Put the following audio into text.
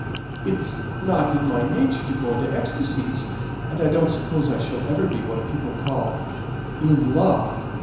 It's not in my nature to go into ecstasies, and I don't suppose I shall ever be what people call 'in love.'